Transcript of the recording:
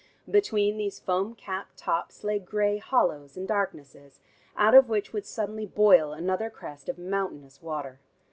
Between these foam capped tops lay gray hollows and darknesses, out of which would suddenly boil another crest of mountainous water.